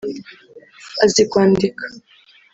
azi kwandika